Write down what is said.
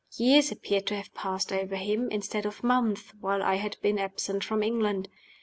Years appeared to have passed over him, instead of months, while I had been absent from England.